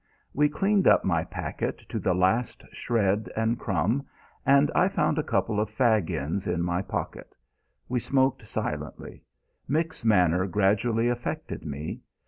We cleaned up my packet to the last shred and crumb, and I found a couple of fag ends in my pocket. We smoked silently. Mick's manner gradually affected me.